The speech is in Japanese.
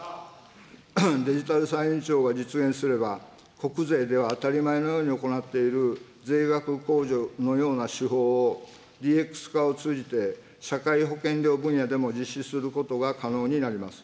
デジタル歳入庁が実現すれば、国税では当たり前のように行っている税額控除のような手法を、ＤＸ化を通じて、社会保険料分野でも実施することが可能になります。